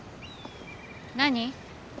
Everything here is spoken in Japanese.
何？